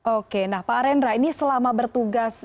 oke nah pak arendra ini selama bertugas